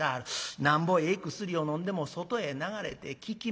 なんぼええ薬をのんでも外へ流れて効き目がない。